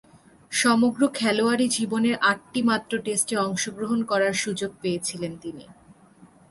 সমগ্র খেলোয়াড়ী জীবনে আটটিমাত্র টেস্টে অংশগ্রহণ করার সুযোগ পেয়েছিলেন তিনি।